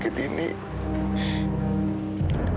game dari ohasa